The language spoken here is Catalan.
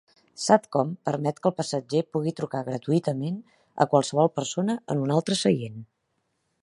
Satcom permet que el passatger pugui trucar gratuïtament a qualsevol persona en un altre seient.